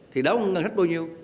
thì đó cũng nâng thích bao nhiêu